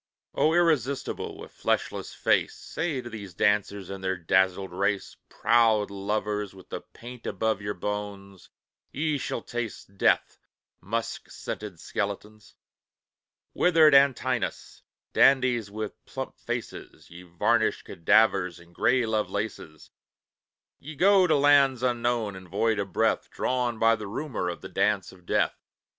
O irresistible, with fleshless face, Say to these dancers in their dazzled race: "Proud lovers with the paint above your bones, Ye shall taste death, musk scented skeletons! Withered Antinous, dandies with plump faces, Ye varnished cadavers, and grey Lovelaces, Ye go to lands unknown and void of breath, Drawn by the rumour of the Dance of Death.